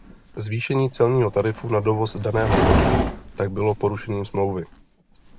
Zvýšení celního tarifu na dovoz daného zboží tak bylo porušením Smlouvy.